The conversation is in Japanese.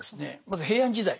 まず平安時代。